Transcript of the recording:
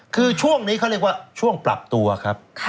คือช่วงนี้เขาเรียกว่าช่วงปรับตัวครับ